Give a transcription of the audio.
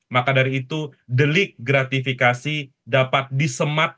maka dari itu delik gratifikasi dapat disematkan